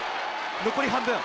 残り半分。